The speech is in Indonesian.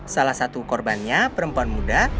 salah satu korbannya perempuan muda